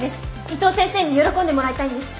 伊藤先生に喜んでもらいたいんです。